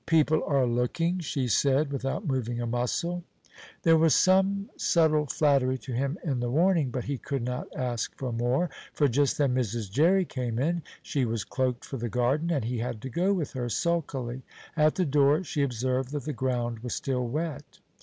"People are looking," she said, without moving a muscle. There was some subtle flattery to him in the warning, but he could not ask for more, for just then Mrs. Jerry came in. She was cloaked for the garden, and he had to go with her, sulkily. At the door she observed that the ground was still wet.